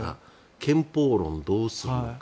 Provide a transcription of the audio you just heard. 憲法論、どうするのか。